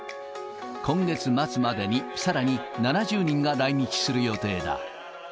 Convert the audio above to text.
今月末までに、さらに７０人が来日する予定だ。